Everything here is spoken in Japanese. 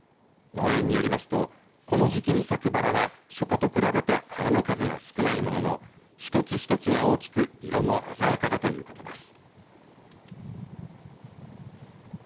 農園によりますとこの時期に咲くばらは初夏と比べて花の数が少ないものの一つ一つが大きく色も鮮やかだということです。